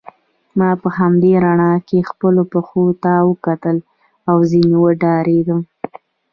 ما په همدې رڼا کې خپلو پښو ته وکتل او ځینې وډارېدم.